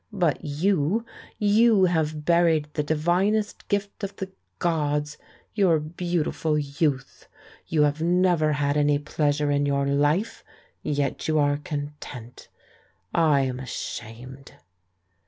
But you^ you have buried the divinest gift of the gods, your beautiful youth! You have never had any pleasure in your life, yet you are content. I am ashamed."